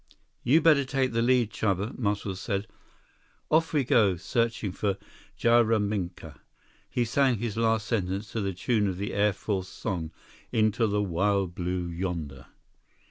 "You better take the lead, Chuba," Muscles said. "Off we go, searching for Ja ra mink a." He sang his last sentence to the tune of the Air Force song, "Into the Wild Blue Yonder."